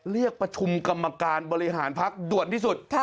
เรียกประชุมกรรมการบริหารพักด่วนที่สุด